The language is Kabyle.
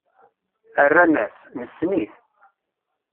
Rran-as: Nessen-it.